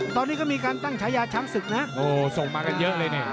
ตอนนี้ก็มีการตั้งฉายาช้างศึกนะโอ้ส่งมากันเยอะเลยเนี่ย